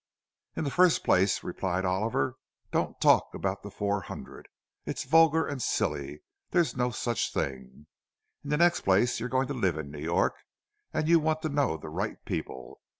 "In the first place," replied Oliver, "don't talk about the Four Hundred—it's vulgar and silly; there's no such thing. In the next place, you're going to live in New York, and you want to know the right people.